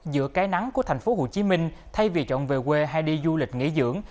giữa cái nắng của thành phố hồ chí minh thay vì chọn về quê hay đi du lịch nghỉ dưỡng